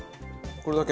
これだけ？